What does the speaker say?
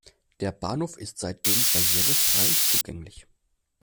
Der Bahnhof ist seitdem barrierefrei zugänglich.